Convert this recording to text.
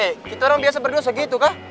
eh kita orang biasa berdua segitu kah